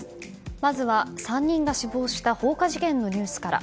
まずは３人が死亡した放火事件のニュースから。